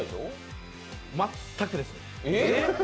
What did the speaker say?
全くですね。